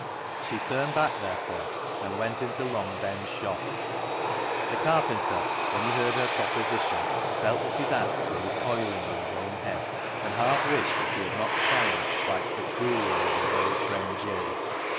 She turned back, therefore, and went into Long Ben's shop. The carpenter, when he heard her proposition, felt that his acts were recoiling on his own head, and half wished that he had not triumphed quite so cruelly over his old friend Jabe.